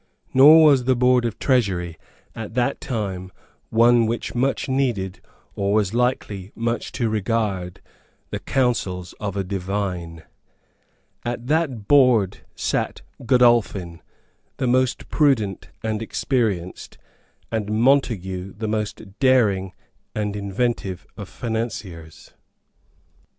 Nor was the Board of Treasury at that time one which much needed, or was likely much to regard, the counsels of a divine. At that Board sate Godolphin the most prudent and experienced, and Montague the most daring and inventive of financiers.